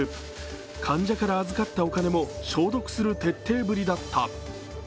患者から預かったお金も消毒する徹底ぶりだった。